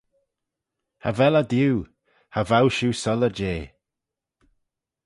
Cha vel eh diu, cha vow shiu soylley jeh.